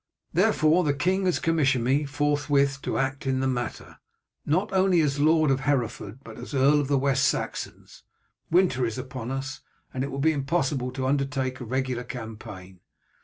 "Therefore the king has commissioned me forthwith to act in the matter, not only as Lord of Hereford but as Earl of the West Saxons. Winter is upon us, and it will be impossible to undertake a regular campaign.